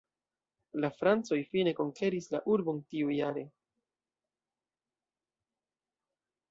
La francoj fine konkeris la urbon tiujare.